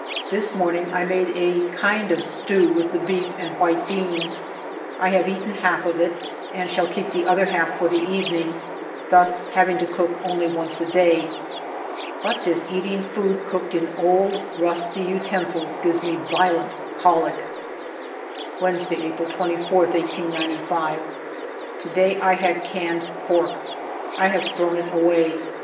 This morning I made a kind of stew with the beef and white beans ; I have eaten half of it and shall keep the other half for the evening, thus having to cook only once a day. But this eating food cooked in old rusty uten sil's gives me violent colic. Wednesday^ April 24, 1895. To day I had canned pork. I have thrown it away.